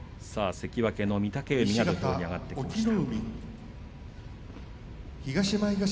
関脇の御嶽海が土俵に上がりました。